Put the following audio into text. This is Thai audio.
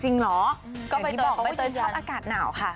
จริงเหรอเดี๋ยวที่บอกใบเตยชอบอากาศหนาวค่ะ